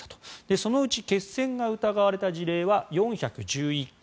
そのうち血栓が疑われた事例は４１１件。